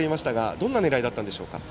どんな狙いだったんでしょうか。